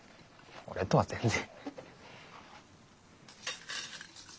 俺とは全然。